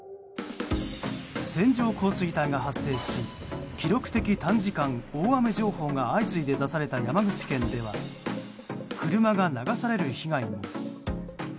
線状降水帯が発生し記録的短時間大雨情報が相次いで出された山口県では車が流される被害も。